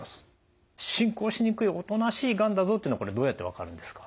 進行しにくいおとなしいがんだぞっていうのはどうやって分かるんですか？